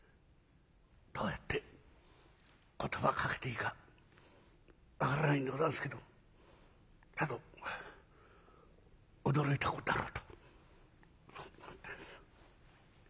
どうやって言葉かけていいか分からないんでござんすけどさぞ驚いたことだろうとそう思っています。